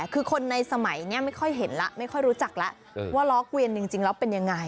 คือคนในสมัยนี้ไม่ค่อยเห็นแล้วไม่ค่อยรู้จักแล้วว่าล้อเกวียนจริงแล้วเป็นยังไง